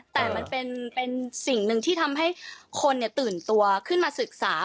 แต่มันเป็นสิ่งหนึ่งที่ทำให้คนตื่นตัวขึ้นมาศึกษา